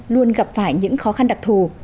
luôn gặp phải những khó khăn đặc thù